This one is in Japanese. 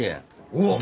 おっ！